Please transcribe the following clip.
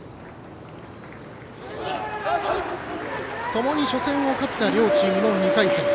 ともに初戦を勝った両チームの２回戦。